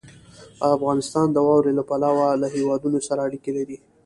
افغانستان د واورې له پلوه له هېوادونو سره اړیکې لري.